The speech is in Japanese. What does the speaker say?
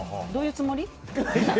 どういうつもり？